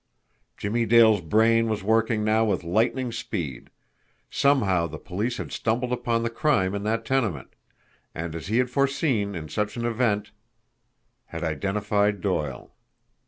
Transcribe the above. Jimmie Dale's brain was working now with lightning speed. Somehow the police had stumbled upon the crime in that tenement; and, as he had foreseen in such an event, had identified Doyle.